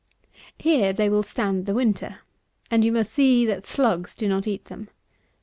Here they will stand the winter; and you must see that the slugs do not eat them.